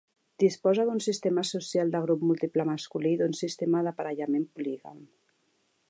Disposa d'un sistema social de grup múltiple masculí i d'un sistema d'aparellament polígam.